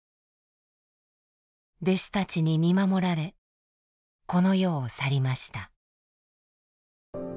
弟子たちに見守られこの世を去りました。